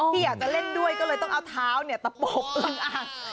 พี่อยากจะเล่นด้วยก็เลยต้องเอาเท้าตะปกอึงอ่าง